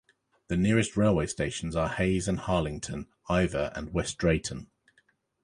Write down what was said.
The nearest railway stations are Hayes and Harlington, Iver and West Drayton.